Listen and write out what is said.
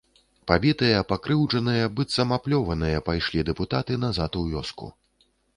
Пабітыя, пакрыўджаныя, быццам аплёваныя, пайшлі дэпутаты назад у вёску.